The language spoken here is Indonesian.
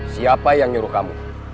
siapa yang nyuruh kamu